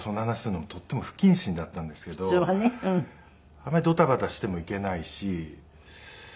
あまりドタバタしてもいけないし。